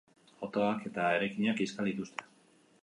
Autoak eta eraikinak kiskali dituzte.